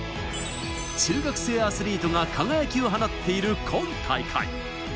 中学生アスリートが輝きを放っている今大会。